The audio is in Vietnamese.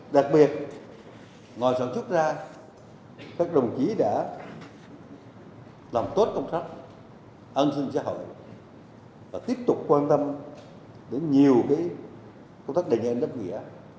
đặc biệt ngoài sản xuất ra các đồng chí đã làm tốt công tác an sinh xã hội và tiếp tục quan tâm đến nhiều công tác đền ơn đáp nghĩa